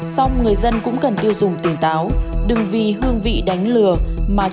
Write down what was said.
xong người dân cũng cần tiêu dùng tỉnh táo đừng vì hương vị đánh lừa mà trúc mối họa vào thân